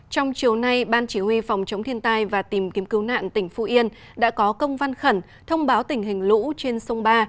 trong chiều nay ban chỉ huy phòng chống thiên tai và tìm kiếm cứu nạn tỉnh phú yên đã có công văn khẩn thông báo tình hình lũ trên sông ba